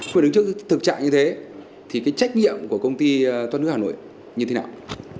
phải đứng trước thực trạng như thế thì cái trách nhiệm của công ty thoát nước hà nội như thế nào